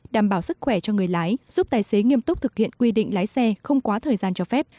đảm bảo sức khỏe cho người lái giúp tài xế nghiêm túc thực hiện quy định lái xe không quá thời gian cho phép